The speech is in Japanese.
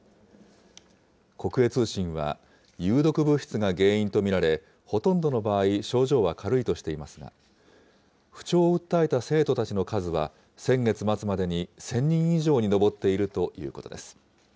国営通信は、有毒物質が原因と見られ、ほとんどの場合、症状は軽いとしていますが、不調を訴えた生徒たちの数は、先月末までに１０００人以上に上っているということです。